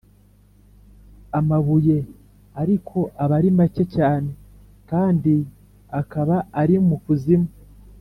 amabuye ariko aba ari make cyane kandi akaba ari mu kuzimu